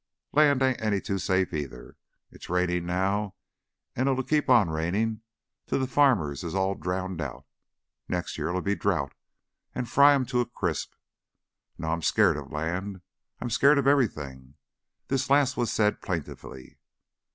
"Land ain't any too safe, either. It's rainin' now, an' it 'll keep on rainin' till the farmers is all drowned out. Next year it'll be droughty an' fry 'em to a crisp. No, I'm skeered of land. I'm skeered of everything!" This last was said plaintively.